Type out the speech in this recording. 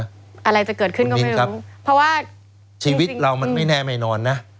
อะไรจะเกิดขึ้นก็ไม่รู้เพราะว่าชีวิตเรามันไม่แน่ไม่นอนนะ